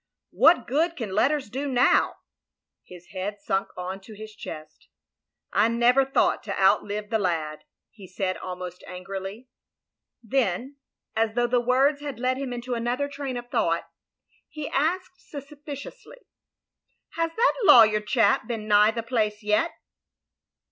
"What good can letters do now?" His head sunk on to his chest. " I never thought to outlive the lad, " he said almost angrily. Then as though the words led him into another train of thought, he asked suspiciously, "Has that lawyer chap been nigh the place yet?"